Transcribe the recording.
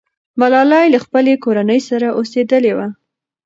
ملالۍ له خپلې کورنۍ سره اوسېدلې وه.